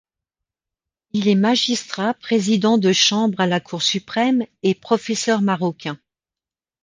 Il est magistrat président de chambre à la Cour Suprême et professeur marocain.